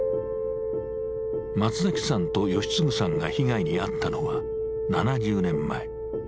松崎さんと吉次さんが被害に遭ったのは７０年前。